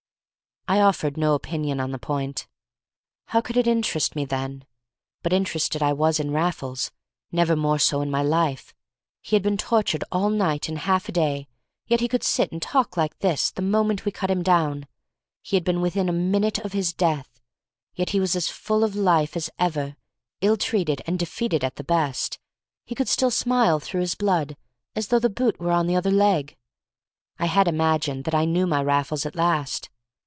I offered no opinion on the point. How could it interest me then? But interested I was in Raffles, never more so in my life. He had been tortured all night and half a day, yet he could sit and talk like this the moment we cut him down; he had been within a minute of his death, yet he was as full of life as ever; ill treated and defeated at the best, he could still smile through his blood as though the boot were on the other leg. I had imagined that I knew my Raffles at last.